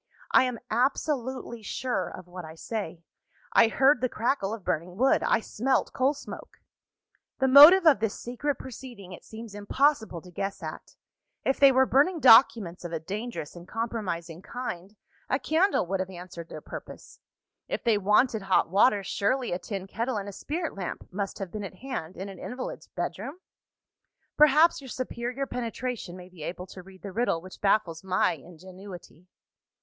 I am absolutely sure of what I say: I heard the crackle of burning wood I smelt coal smoke. "The motive of this secret proceeding it seems impossible to guess at. If they were burning documents of a dangerous and compromising kind, a candle would have answered their purpose. If they wanted hot water, surely a tin kettle and a spirit lamp must have been at hand in an invalid's bedroom? Perhaps, your superior penetration may be able to read the riddle which baffles my ingenuity.